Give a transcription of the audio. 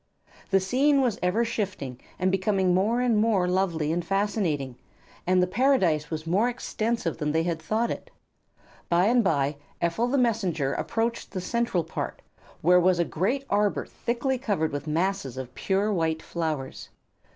The scene was ever shifting and becoming more and more lovely and fascinating, and the paradise was more extensive than they had thought it. By and bye Ephel the Messenger approached the central part, where was a great arbor thickly covered with masses of pure white flowers.